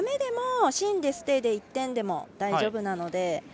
だめでも、芯でステイで１点でも大丈夫なので。